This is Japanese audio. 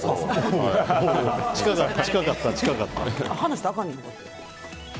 近かった、近かった。